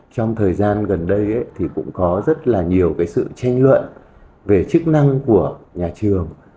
trong thời gian gần đây thì cũng có rất là nhiều sự tranh luận về chức năng của nhà trường